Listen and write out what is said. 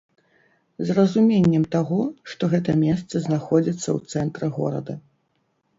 З разуменнем таго, што гэта месца знаходзіцца ў цэнтры горада.